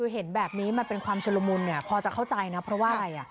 เห็นแบบนี้มันเป็นความชุลมุนพอจะเข้าใจนะเพราะว่าอะไร